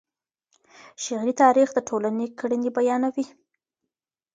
شعري تاریخ د ټولني کړنې بیانوي.